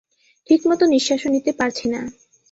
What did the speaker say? ঠিকমতো নিঃশ্বাসও নিতে পারছি না।